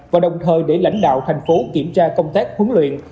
và đồng thời để lãnh đạo thành phố kiểm tra công tác huấn luyện